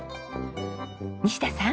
西田さん。